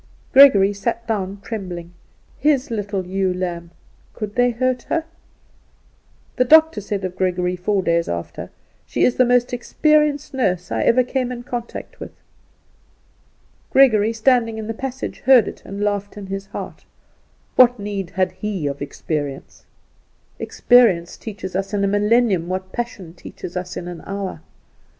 Gregory sat down trembling. His little ewe lamb, could they hurt her? The doctor said of Gregory four days after, "She is the most experienced nurse I ever came in contact with." Gregory, standing in the passage, heard it and laughed in his heart. What need had he of experience? Experience teaches us in a millennium what passion teaches us in an hour.